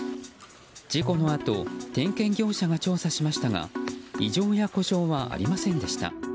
事故のあと点検業者が調査しましたが異常や故障はありませんでした。